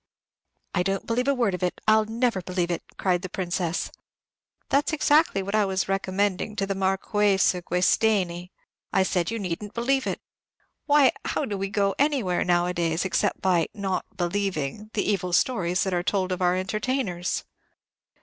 "I don't believe a word of it, I'll never believe it," cried the Princess. "That's exactly what I was recommending to the Mar quesa Guesteni. I said, you need n't believe it. Why, how do we go anywhere, nowadays, except by 'not believing' the evil stories that are told of our entertainers."